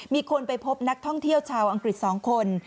มีคนไปพบนักท่องเที่ยวชาวอังกฤษ๒คน